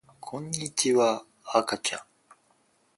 こんにちはあかちゃん